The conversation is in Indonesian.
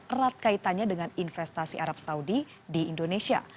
erat kaitannya dengan investasi arab saudi di indonesia